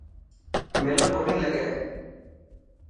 ميلو ڪونهي لگي.